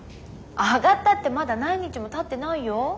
上がったってまだ何日もたってないよ？